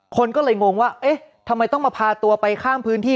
คนก็เลยงงว่าเอ๊ะทำไมต้องมาพาตัวไปข้ามพื้นที่